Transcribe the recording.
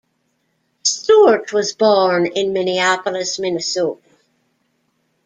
Stewart was born in Minneapolis, Minnesota.